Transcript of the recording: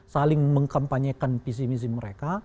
saling mengkampanyekan visi misi mereka